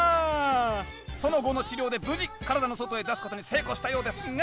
その後の治療で無事体の外へ出すことに成功したようですが！